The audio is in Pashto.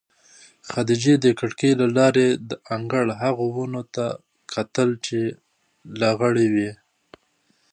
خدیجې د کړکۍ له لارې د انګړ هغو ونو ته کتل چې لغړې وې.